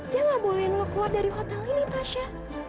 dia nggak bolehin lo keluar dari hotel ini tasha